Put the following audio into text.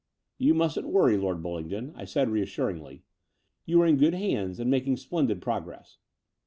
"You mustn't worry. Lord Bullingdon," I said reassuringly. "You are in good hands and mak ing splendid progress.